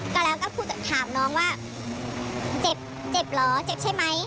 ก็แล้วก็ถามน้องว่าเจ็บเจ็บเหรอเจ็บใช่ไหม